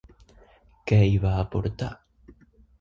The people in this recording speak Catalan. Què hi va aportar?